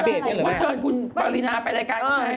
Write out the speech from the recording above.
อ๋อแต่ว่าเชิญคุณปริณาไปรายการเขาไง